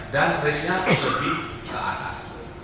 dan risknya lebih ke atas